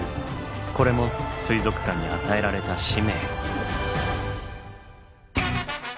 これも水族館に与えられた使命。